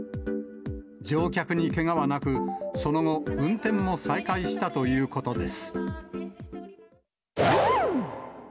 乗客にけがはなく、その後、運転を再開したということです。